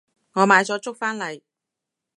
我買咗粥返嚟